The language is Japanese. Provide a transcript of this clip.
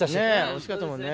おいしかったもんね。